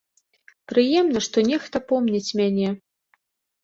Прыемна, што нехта помніць мяне.